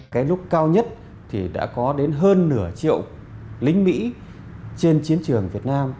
cái lúc cao nhất thì đã có đến hơn nửa triệu lính mỹ trên chiến trường việt nam